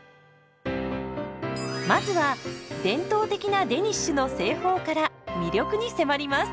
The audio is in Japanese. まずは伝統的なデニッシュの製法から魅力に迫ります。